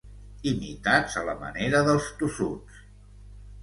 Imitats a la manera dels tossuts.